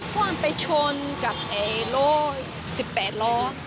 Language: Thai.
ความไปชนกับรถ๑๘ล้อ